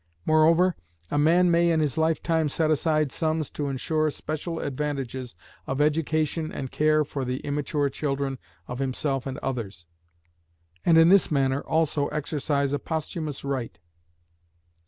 Moreover, a man may in his lifetime set aside sums to ensure special advantages of education and care for the immature children of himself and others, and in this manner also exercise a posthumous right.